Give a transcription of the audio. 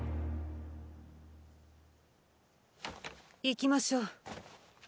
行きましょう。